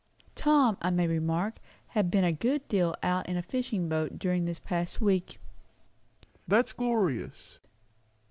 Tom, I may remark, had been a good deal out in a fishing boat during this past week. "That's glorious."